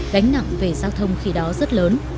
gánh nặng về giao thông khi đó rất lớn